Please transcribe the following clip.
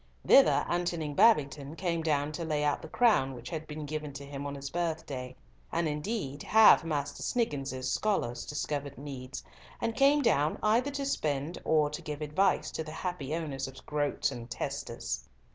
Thither Antony Babington came down to lay out the crown which had been given to him on his birthday, and indeed half Master Sniggius's scholars discovered needs, and came down either to spend, or to give advice to the happy owners of groats and testers.